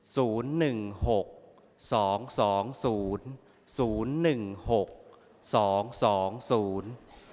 ศูนย์หนึ่งหกสองสองศูนย์ศูนย์หนึ่งหกสองสองศูนย์